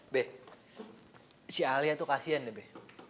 be si alia tuh kasihan deh be